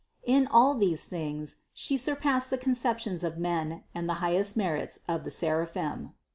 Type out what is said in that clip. In all these things 540 CITY OF GOD She surpassed the conceptions of men and the highest merits of the seraphim.